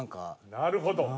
なるほど！